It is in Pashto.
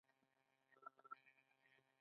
د پروستات د پړسوب لپاره د کوم شي ریښه وکاروم؟